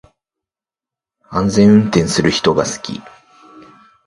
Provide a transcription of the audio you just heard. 安全運転する人が好き